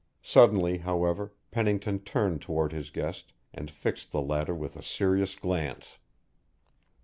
Suddenly, however, Pennington turned toward his guest and fixed the latter with a serious glance.